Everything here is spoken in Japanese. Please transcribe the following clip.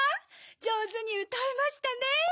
じょうずにうたえましたねぇ。